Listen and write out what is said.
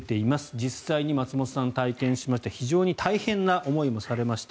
実際に松本さんが体験しました非常に大変な思いもされました。